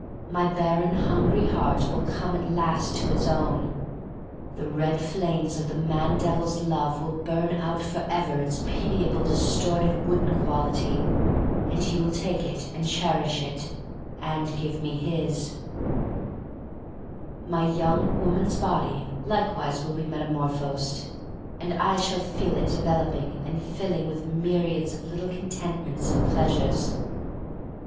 My barren, hungry heart will come at last to its own. The red flames of the man devil's love will burn out forever its pitiable, distorted, wooden quality, and he will take it and cherish it — and give me his. THE STORY OF MARY MAC LANE 1 55 My young woman' s body likewise will be metamorphosed, and I shall feel it developing and filled with myriads of little contentments and pleasures.